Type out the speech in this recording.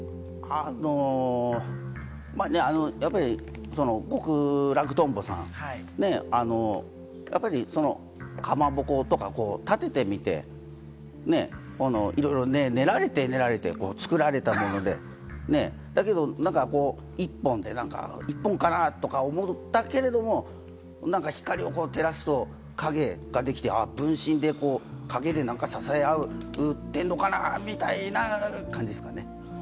あのね、極楽とんぼさん、かまぼことか立ててみて、いろいろ練られて練られて作られたもので、だけど一本で、一本かな？と思うんだけれど、光を照らすと、影ができて、あ分身で陰で支え合う支えあってんのかなぁみたいな感じですかね。